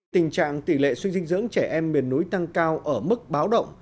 tình trạng tỷ lệ suy dinh dưỡng trẻ em miền núi tăng cao ở mức báo động